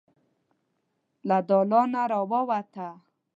له دالانه ووته.